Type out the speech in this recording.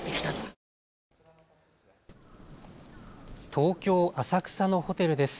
東京浅草のホテルです。